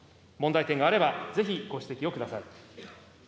問題点があればぜひご指摘をください。